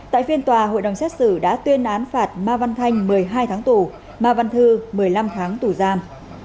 tại phiên tòa hội đồng xét xử đã tuyên án phạt ma văn thanh một mươi hai tháng tù ma văn thư một mươi năm tháng tù giam